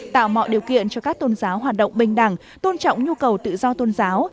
tạo mọi điều kiện cho các tôn giáo hoạt động bình đẳng tôn trọng nhu cầu tự do tôn giáo